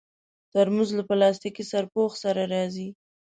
ترموز له پلاستيکي سرپوښ سره راځي.